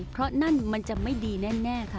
เพราะนั่นมันจะไม่ดีแน่ค่ะ